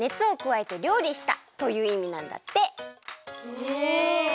へえ！